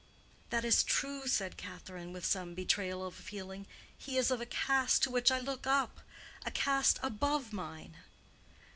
"That is true," said Catherine, with some betrayal of feeling. "He is of a caste to which I look up—a caste above mine."